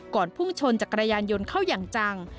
พุ่งชนจักรยานยนต์เข้าอย่างจัง